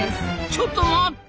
ちょっと待った！